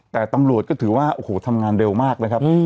แต่ตำรวจขวางอยู่กันดีมาก